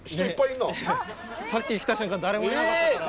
さっき来た瞬間誰もいなかったから。